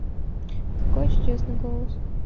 Какой чудесный голос.